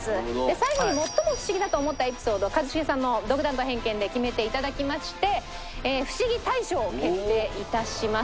最後に最もフシギだと思ったエピソードを一茂さんの独断と偏見で決めていただきましてフシギ大賞を決定いたします。